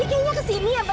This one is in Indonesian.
awam terus kulihcur woman